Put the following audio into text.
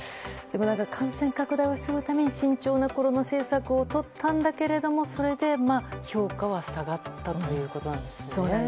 感染拡大を防ぐために慎重なコロナ政策をとったんだけれどもそれで評価は下がったということなんですね。